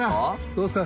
どうですか？